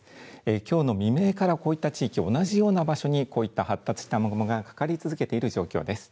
きょうの未明からこういった地域、同じような場所にこういった発達した雨雲がかかり続けている状況です。